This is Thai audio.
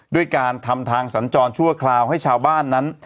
ด้วยการทำทางสัญจรชั่วคราวให้ชาวบ้านนั้น